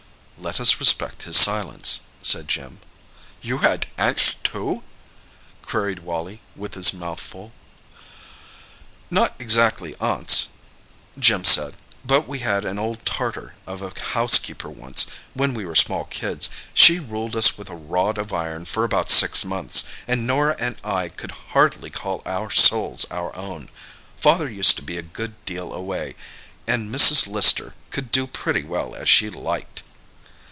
"Let us respect his silence," said Jim. "You had aunts too?" queried Wally, with his mouth full. "Not exactly aunts," Jim said. "But we had an old Tartar of a housekeeper once, when we were small kids. She ruled us with a rod of iron for about six months, and Norah and I could hardly call our souls our own. Father used to be a good deal away and Mrs. Lister could do pretty well as she liked."